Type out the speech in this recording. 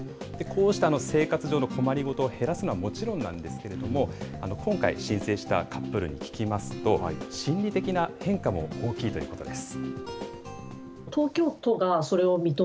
こうした生活上の困りごとを減らすのはもちろんなんですけれども、今回、申請したカップルに聞きますと、心理的な変化も大きいということです。